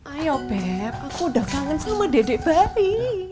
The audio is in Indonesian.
ayo beb aku udah kangen sama dedek babi